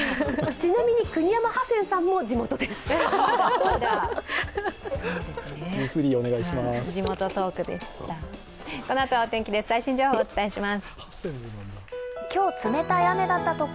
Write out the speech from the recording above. ちなみに国山ハセンさんも地元です。